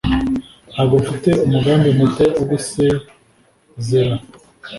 ] ntabwo mfite umugambi muto wo gusezera.